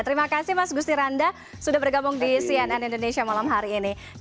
terima kasih mas gusti randa sudah bergabung di cnn indonesia malam hari ini